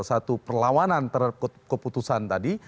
satu perlawanan terhadap keputusan tadi